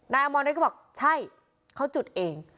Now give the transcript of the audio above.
นายอมอนฤทธิ์ก็บอกใช่เขาจุดเอง